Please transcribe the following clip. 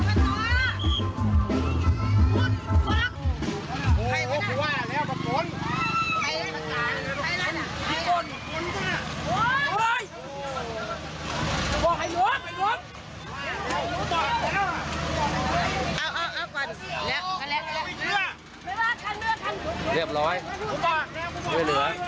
เรียบร้อยไม่เหลือ